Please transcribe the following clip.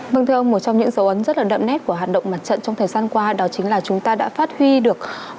vâng thưa ông một trong những dấu ấn rất là đậm nét của hoạt động mặt trận trong thời gian qua đó chính là chúng ta đã phát huy được